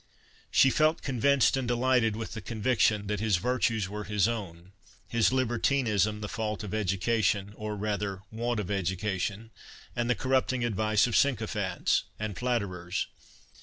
She felt convinced, and delighted with the conviction, that his virtues were his own, his libertinism the fault of education, or rather want of education, and the corrupting advice of sycophants and flatterers.